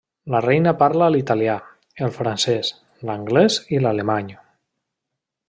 La reina parla l'italià, el francès, l'anglès i l'alemany.